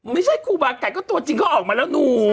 ไม่ใช่ครูบาไก่ก็ตัวจริงเขาออกมาแล้วหนู